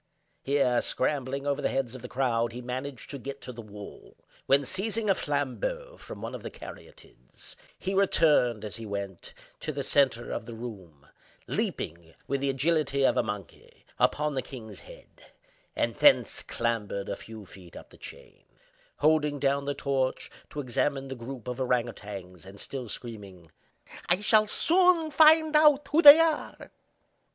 Here, scrambling over the heads of the crowd, he managed to get to the wall; when, seizing a flambeau from one of the Caryatides, he returned, as he went, to the centre of the room—leaped, with the agility of a monkey, upon the kings head, and thence clambered a few feet up the chain; holding down the torch to examine the group of ourang outangs, and still screaming: "I shall soon find out who they are!"